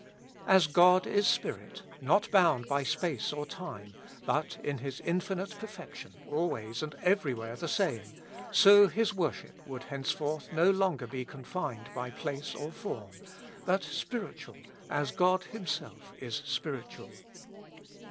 As God is Spirit, not bound by space or time, but in His infinite perfection always and everywhere the same, so His worship would hence forth no longer be confined by place or form, but spiritual as God Himself is spiritual.